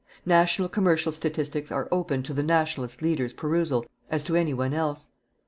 National commercial statistics are opened to the "Nationalist" leader's perusal as to any one else.